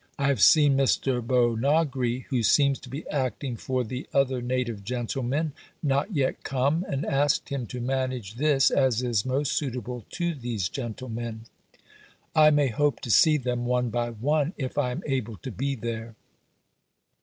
I have seen Mr. Bhownaggree, who seems to be acting for the other native gentlemen, not yet come, and asked him to manage this, as is most suitable to these gentlemen. I may hope to see them one by one, if I am able to be there.